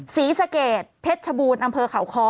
ศรีสะเกดเพชรชบูรณ์อำเภอเขาคอ